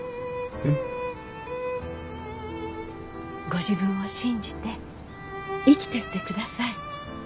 ご自分を信じて生きてってください。